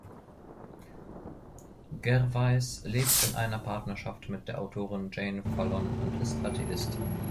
Gervais lebt in einer Partnerschaft mit der Autorin Jane Fallon und ist Atheist.